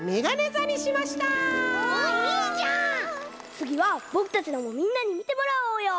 つぎはぼくたちのもみんなにみてもらおうよ！